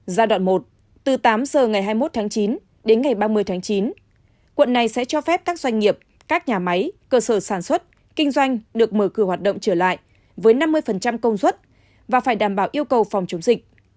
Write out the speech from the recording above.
giai đoạn một từ tám giờ ngày hai mươi một tháng chín đến ngày ba mươi tháng chín quận này sẽ cho phép các doanh nghiệp các nhà máy cơ sở sản xuất kinh doanh được mở cửa hoạt động trở lại với năm mươi công suất và phải đảm bảo yêu cầu phòng chống dịch